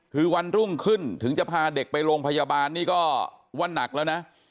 คือวันรุ่งขึ้นถึงจะพาเด็กไปโรงพยาบาลนี่ก็ว่านักแล้วนะ